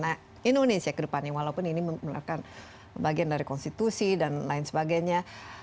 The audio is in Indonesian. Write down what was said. nah indonesia ke depannya walaupun ini merupakan bagian dari konstitusi dan lain sebagainya